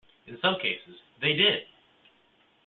In some cases, they did!